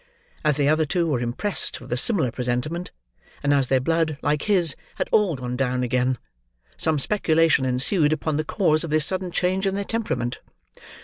As the other two were impressed with a similar presentiment; and as their blood, like his, had all gone down again; some speculation ensued upon the cause of this sudden change in their temperament.